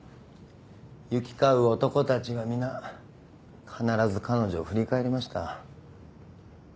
行き交う男たちが皆必ず彼女を振り返りました。